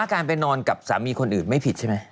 การไปนอนกับสามีคนอื่นไม่ผิดใช่ไหม